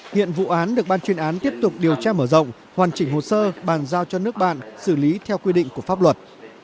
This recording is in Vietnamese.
hiện vụ án được ban chuyên án tiếp tục điều tra mở rộng hoàn chỉnh hồ sơ bàn giao cho nước bạn xử lý theo quy định của pháp luật